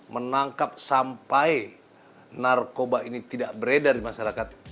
menangkap sampai narkoba ini tidak beredar di masyarakat